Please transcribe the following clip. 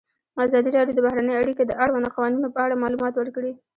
ازادي راډیو د بهرنۍ اړیکې د اړونده قوانینو په اړه معلومات ورکړي.